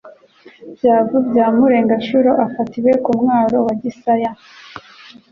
l. Byavu bya Mureganshuro afatiwe ku mwaro wa Gisaya, ati: